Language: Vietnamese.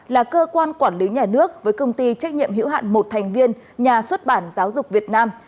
là cơ quan quản lý nhà nước với công ty trách nhiệm hữu hạn một thành viên nhà xuất bản giáo dục việt nam